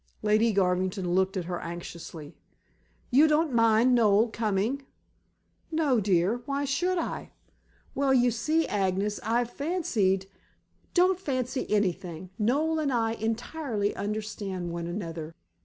Lady Garvington looked at her anxiously. "You don't mind Noel coming?" "No, dear. Why should I?" "Well you see, Agnes, I fancied " "Don't fancy anything. Noel and I entirely understand one another."